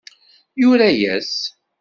Yura-yas.